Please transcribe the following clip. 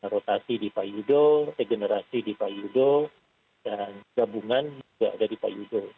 rotasi di pak yudo regenerasi di pak yudo dan gabungan juga dari pak yudo